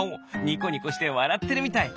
ニコニコしてわらってるみたい。